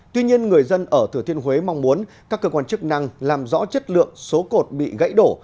tuy nhiên người dân ở thừa thiên huế mong muốn các cơ quan chức năng làm rõ chất lượng số cột bị gãy đổ